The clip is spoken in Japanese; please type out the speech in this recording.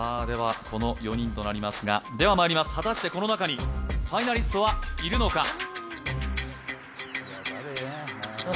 ではこの４人となりますが果たしてこの中にファイナリストはいるのか？